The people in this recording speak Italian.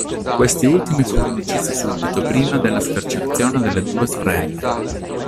Questi ultimi furono uccisi subito prima della scarcerazione delle due sorelle.